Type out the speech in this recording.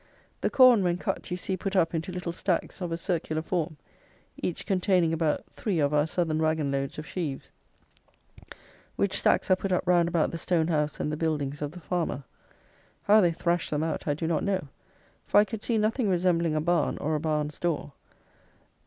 The corn, when cut, you see put up into little stacks of a circular form, each containing about three of our southern wagon loads of sheaves, which stacks are put up round about the stone house and the buildings of the farmer. How they thrash them out I do not know, for I could see nothing resembling a barn or a barn's door.